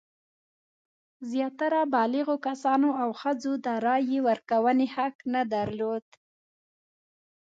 زیاتره بالغو کسانو او ښځو د رایې ورکونې حق نه درلود.